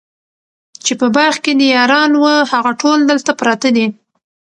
چي په باغ کي دي یاران وه هغه ټول دلته پراته دي